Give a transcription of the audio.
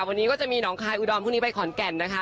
วันนี้ก็จะมีหนองคายอุดรพรุ่งนี้ไปขอนแก่นนะคะ